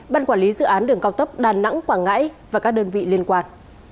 ban quản lý dự án đường cao tốc đà nẵng quảng ngãi và các đơn vị liên quan